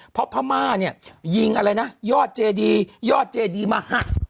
เพราะพระมาเนี่ยยิงอะไรนะยอดเจดีมหัค